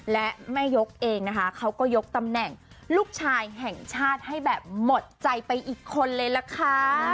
และแม่ยกเองนะคะเขาก็ยกตำแหน่งลูกชายแห่งชาติให้แบบหมดใจไปอีกคนเลยล่ะค่ะ